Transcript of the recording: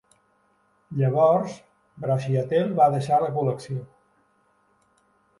Llavors Braxiatel va deixar la Col·lecció.